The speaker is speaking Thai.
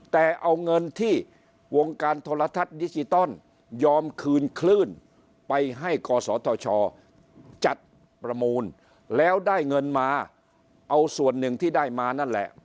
แต่เอาเงินที่วงการโทรทัศน์ดิจิตอลยอมคืนคลื่นไปให้กศธชจัดประมูลแล้วได้เงินมาเอาส่วนหนึ่งที่ได้มานั่นแหละ